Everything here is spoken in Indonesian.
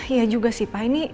iya juga sih pak